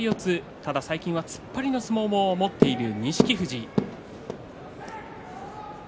ただ最近は突っ張りの相撲を持っている錦富士。